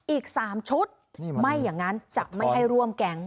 อีก๓ชุดไม่อย่างนั้นจะไม่ให้ร่วมแก๊ง